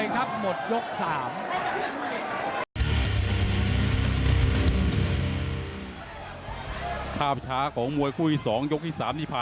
หน้าหลังจากธรรมิตทองอักขิดสองปากไม่มีจุดจริงครับ